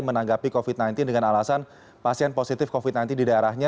menanggapi covid sembilan belas dengan alasan pasien positif covid sembilan belas di daerahnya